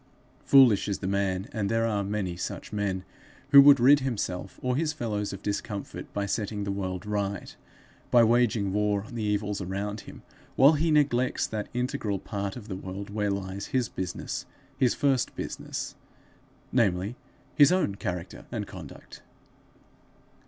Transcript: Foolish is the man, and there are many such men, who would rid himself or his fellows of discomfort by setting the world right, by waging war on the evils around him, while he neglects that integral part of the world where lies his business, his first business namely, his own character and conduct.